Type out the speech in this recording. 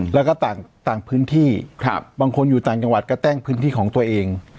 แล้วก็ต่างพื้นที่บางคนอยู่ต่างจังหวัดก็แจ้งพื้นที่ของตัวเอง